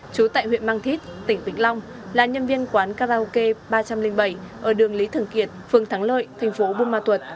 chú tại huyện mang thít tỉnh vĩnh long là nhân viên quán karaoke ba trăm linh bảy ở đường lý thường kiệt phường thắng lợi thành phố buôn ma thuật